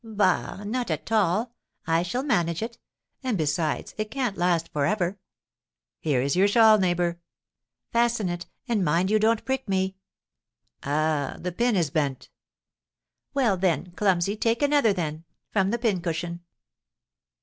"Bah! Not at all; I shall manage it. And, besides, it can't last for ever." "Here is your shawl, neighbour." "Fasten it; and mind you don't prick me." "Ah, the pin is bent." "Well, then, clumsy, take another then, from the pincushion.